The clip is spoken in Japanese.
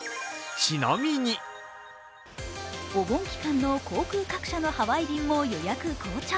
お盆期間の航空各社のハワイ便も予約好調。